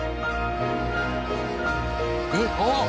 えっ。